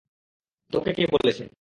তোকে কে বলেছে?